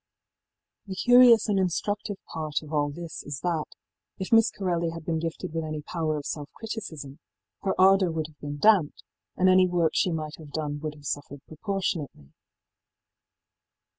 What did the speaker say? The curious and instructive part of all this is that, if Miss Corelli had been gifted with any power of self criticism, her ardour would have been damped, and any work she might have done would have suffered proportionately.